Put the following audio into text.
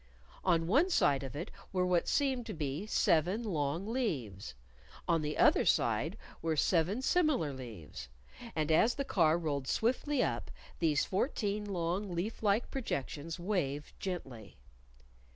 On one side of it were what seemed to be seven long leaves. On the other side were seven similar leaves. And as the car rolled swiftly up, these fourteen long leaf like projections waved gently.